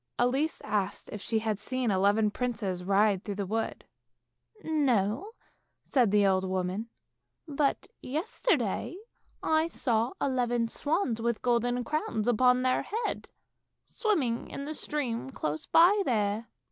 Elise asked if she had seen eleven princes ride through the wood. " No," said the old woman, " but yesterday I saw eleven swans, with golden crowns upon their heads, swimming in the stream close by there."